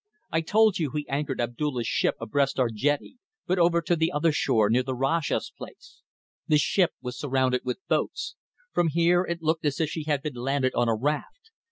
"I told you he anchored Abdulla's ship abreast our jetty, but over to the other shore, near the Rajah's place. The ship was surrounded with boats. From here it looked as if she had been landed on a raft.